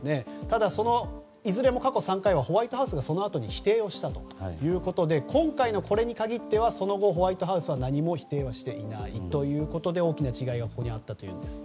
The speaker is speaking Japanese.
ただ、いずれも過去３回はホワイトハウスがそのあとに否定をしたということで今回のこれに限ってはその後、ホワイトハウスは何も否定はしていないということで大きな違いがここにあったと。